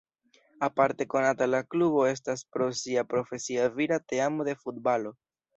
Aparte konata la klubo estas pro sia profesia vira teamo de futbalo.